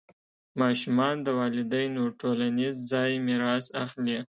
ماشومان د والدینو ټولنیز ځای میراث اخلي.